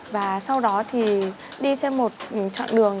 và sau đó thì đi thêm một chọn đường